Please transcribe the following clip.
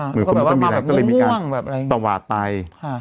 เหมือนคุณก็มีแรงก็เลยมีการตวาดไป